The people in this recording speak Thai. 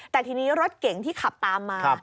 แต่ทีนี้รถเก่งที่ขับตามมา